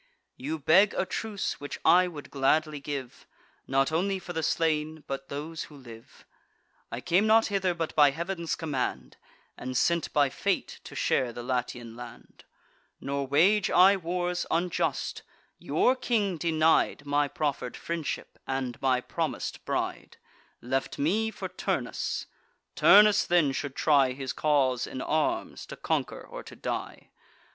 You beg a truce, which I would gladly give, Not only for the slain, but those who live. I came not hither but by Heav'n's command, And sent by fate to share the Latian land. Nor wage I wars unjust: your king denied My proffer'd friendship, and my promis'd bride; Left me for Turnus. Turnus then should try His cause in arms, to conquer or to die.